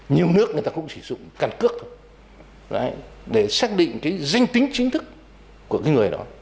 nhiều nước người ta cũng sử dụng căn cước thôi để xác định cái danh tính chính thức của cái người đó